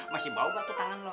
masih bau bah tuh tangan lo